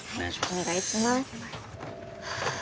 お願いします